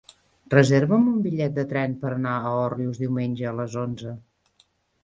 Reserva'm un bitllet de tren per anar a Òrrius diumenge a les onze.